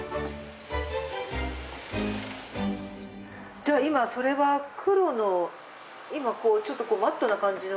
じゃ、今、それは黒のちょっとマットな感じの？